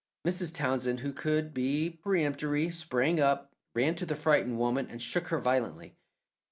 Mrs. Townsend, who could be peremptory, sprang up, ran to the frightened woman and shook her violently.